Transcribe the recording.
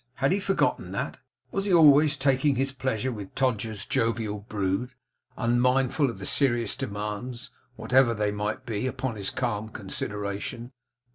Had he forgotten that? Was he always taking his pleasure with Todgers's jovial brood, unmindful of the serious demands, whatever they might be, upon his calm consideration?